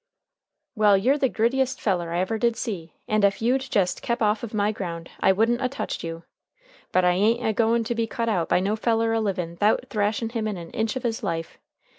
"Well, you're the grittiest feller I ever did see, and ef you'd jest kep off of my ground I wouldn't a touched you. But I a'n't a goin' to be cut out by no feller a livin' 'thout thrashin' him in an inch of his life.